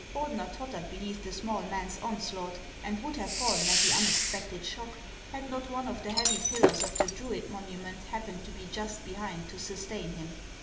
Ordener tottered beneath the small man's onslaught, and would have fallen at the unexpected shock, had not one of the heavy pillars of the Druid monument happened to be just behind to sustain him.